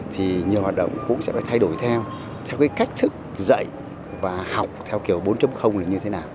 thì nhiều hoạt động cũng sẽ phải thay đổi theo theo cái cách thức dạy và học theo kiểu bốn là như thế nào